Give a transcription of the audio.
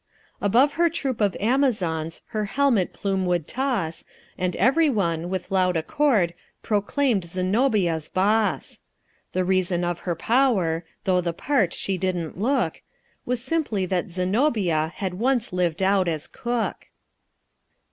Above her troop of Amazons her helmet plume would toss, And every one, with loud accord, proclaimed Zenobia's boss. The reason of her power (though the part she didn't look), Was simply that Zenobia had once lived out as cook.